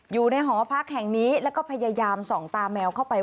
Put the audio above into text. หอพักแห่งนี้แล้วก็พยายามส่องตาแมวเข้าไป